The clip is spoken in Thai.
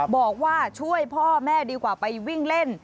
บอกว่าช่วยพ่อแม่ดีกว่าไปวิ่งเล่น